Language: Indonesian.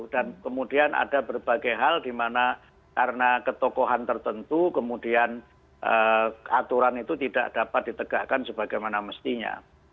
dan kemudian ada berbagai hal di mana karena ketokohan tertentu kemudian aturan itu tidak dapat ditegakkan sebagaimana mestinya